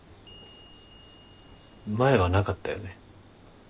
前はなかったよね。